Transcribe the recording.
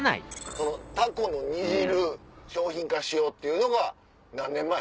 タコの煮汁商品化しようっていうのが何年前？